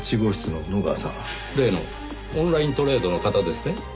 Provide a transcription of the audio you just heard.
例のオンライントレードの方ですね。